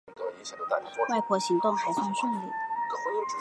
外婆行动还算顺利